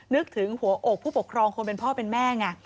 นึกถึงหัวอกผู้ปกครองคนเป็นพ่อเป็นแม่ไง